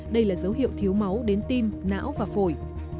đây là dấu hiệu thiếu máu đến tim não và phổi